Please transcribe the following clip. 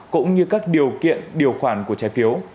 cũng như các điều kiện điều khoản của trái phiếu